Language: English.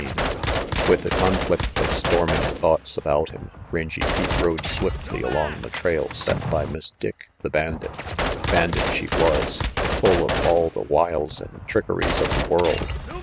CHAPTER X WITH the conflict of storming thoughts about him, Rangy Pete rode swiftly along the trail set by Miss Dick the bandit. Bandit she was, full of all the wiles and trickeries of the world.